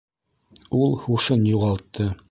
Ул һушын юғалтты